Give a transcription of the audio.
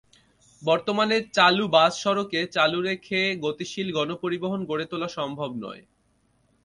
বর্তমানে চালু বাস সড়কে চালু রেখে গতিশীল গণপরিবহন গড়ে তোলা সম্ভব নয়।